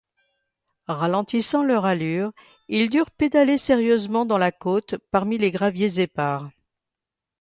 Ralentissant leur allure, ils durent pédaler sérieusement dans la côte, parmi les graviers épars.